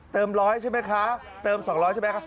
เติมร้อยใช่ไหมคะเติมสองร้อยใช่ไหมคะ